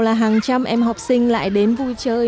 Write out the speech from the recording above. là hàng trăm em học sinh lại đến vui chơi